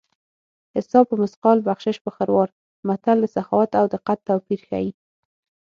حساب په مثقال بخشش په خروار متل د سخاوت او دقت توپیر ښيي